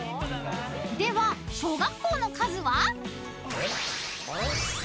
［では小学校の数は？］